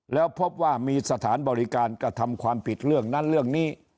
แล้วพบว่ามีสถานบริการกระทำความผิดเรื่องนั้นเรื่องนี้